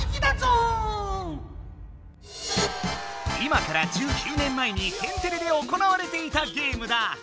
今から１９年前に「天てれ」で行われていたゲームだ。